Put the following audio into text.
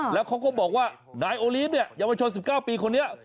แล้วเขาก็บอกว่านายโอลีฟเนี่ยเยาวชน๑๙ปีคนนี้